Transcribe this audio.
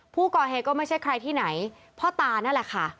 ผู้ก่อเหตุก็ไม่ใช่ใครที่ไหนพ่อตานั่นแหละค่ะ